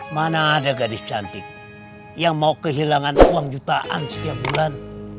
mana ada gadis cantik yang mau kehilangan uang jutaan setiap bulan